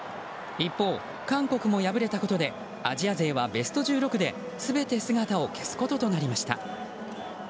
一方、韓国も敗れたことでアジア勢はベスト１６で全て姿を消すこととなりました。